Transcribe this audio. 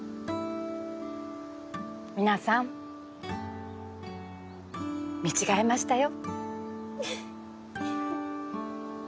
皆さん見違えましたよ。